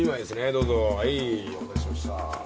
どうぞはいお待たせしました。